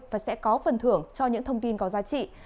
và sẽ có phần thưởng cho những thông tin có giá trị